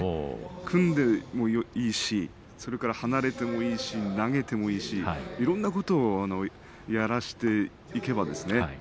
組んでもいいしそれから離れてもいいし投げてもいいし、いろんなことをやらせていけばですね